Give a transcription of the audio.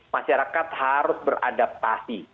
masyarakat harus beradaptasi